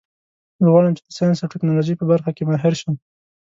زه غواړم چې د ساینس او ټکنالوژۍ په برخه کې ماهر شم